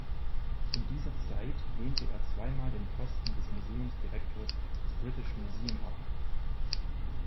In dieser Zeit lehnte er zweimal den Posten des Museumsdirektors des British Museum ab.